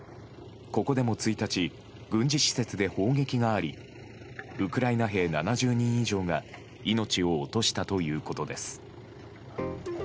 ここでも１日軍事施設で砲撃がありウクライナ兵７０人以上が命を落としたということです。